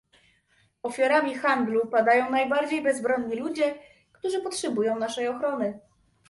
Ofiarami handlu padają najbardziej bezbronni ludzie, którzy potrzebują naszej ochrony